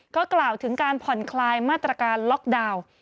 ก็กล่าวถึงการผ่อนคลายมาตรการล็อกดาวน์